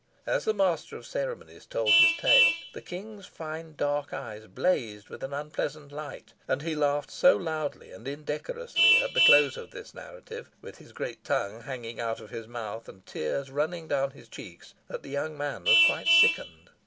As the Master of the Ceremonies told his tale, the King's fine dark eyes blazed with an unpleasant light, and he laughed so loudly and indecorously at the close of the narrative, with his great tongue hanging out of his mouth, and tears running down his cheeks, that the young man was quite sickened.